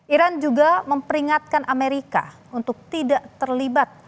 iran juga memperingatkan amerika untuk tidak terlibat